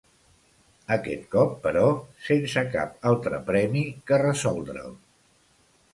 Aquest cop, però, sense cap altre premi que resoldre'l.